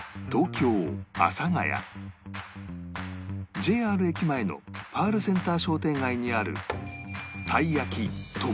ＪＲ 駅前のパールセンター商店街にある